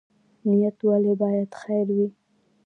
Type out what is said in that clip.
نیت ولې باید خیر وي؟